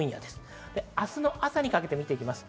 明日の朝にかけて見ていきます。